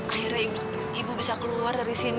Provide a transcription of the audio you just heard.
akhirnya ibu bisa keluar dari sini